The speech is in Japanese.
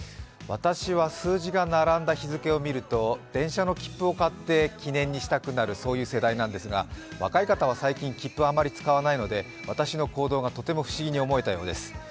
私は数字が並んだ日付を見ると電車の切符を買って記念にしたくなる世代なんですが、若い方は最近、切符はあまり使わないので私の行動がとても不思議に思えたようです。